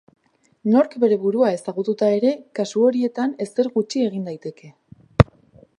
Nork bere burua ezagututa ere, kasu horietan ezer gutxi egin daiteke.